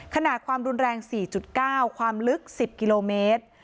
ขนาดความรุนแรงสี่จุดเก้าความลึกสิบกิโลเมตร